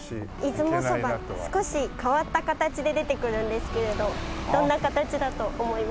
出雲そば少し変わった形で出てくるんですけれどどんな形だと思いますか？